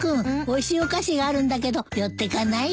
おいしいお菓子があるんだけど寄ってかない？